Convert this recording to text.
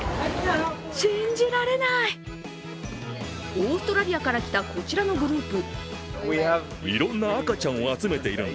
オーストラリアから来たこちらのグループ。